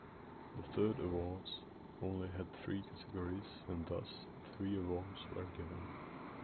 The third awards only had three categories, and thus three awards were given.